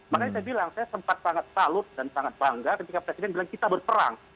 makanya saya bilang saya sempat sangat salut dan sangat bangga ketika presiden bilang kita berperang